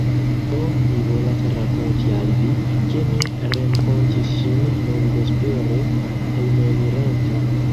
Do mi volas rakonti al Vi, ke mi renkontis ŝin nun vespere, hejmenirante.